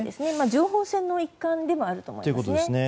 情報戦の一環でもあると思います。